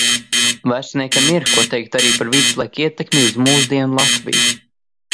Vēsturniekam ir, ko teikt arī par viduslaiku ietekmi uz mūsdienu Latviju.